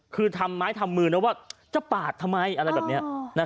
คือทำไมทำมือแล้วว่าจะปาดทำไม